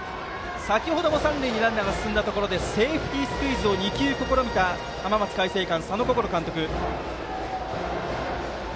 先程、三塁にランナーが進んだところでセーフティースクイズを２球試みた浜松開誠館、佐野心監督です。